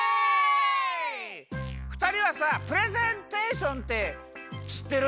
ふたりはさプレゼンテーションってしってる？